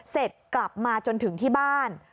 เสร็จกลับมาจนถึงที่บ้าน